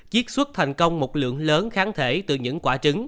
chiết xuất thành công một lượng lớn kháng thể từ những quả trứng